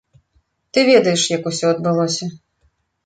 Ты ведаеш, як усё адбылося.